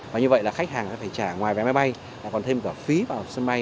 và như vậy là khách hàng phải trả ngoài vé máy bay còn thêm cả phí vào sân bay